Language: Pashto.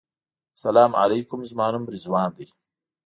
سلام علیکم زما نوم رضوان دی.